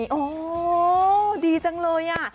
เขามีโอ้ดีจังเลยอ่ะ